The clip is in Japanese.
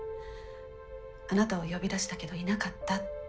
あなたを呼び出したけどいなかったって。